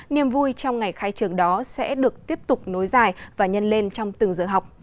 niềm vui trong ngày khai trường đó sẽ được tiếp tục nối dài và nhân lên trong từng giờ học